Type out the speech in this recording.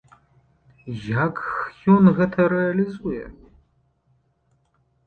Як ён гэта рэалізуе?